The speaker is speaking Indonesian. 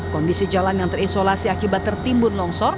kondisi jalan yang terisolasi akibat tertimbun longsor